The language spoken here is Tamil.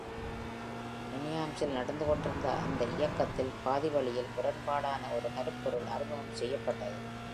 Minimsல் நடந்து கொண்டிருந்த அந்த இயக்கத்தில் பாதிவழியில் முரண்பாடான ஒரு கருப்பொருள் அறிமுகம் செய்யப்பட்டது.